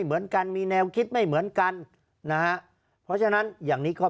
เหมือนกันมีแนวคิดไม่เหมือนกันนะฮะเพราะฉะนั้นอย่างนี้ก็